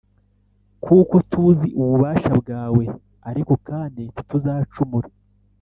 kuko tuzi ububasha bwawe, ariko kandi ntituzacumura,